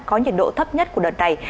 có nhiệt độ thấp nhất của đợt này